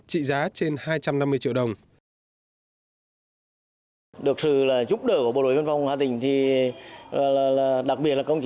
trị giá trên hai trăm năm mươi triệu đồng